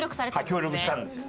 協力したんですよ。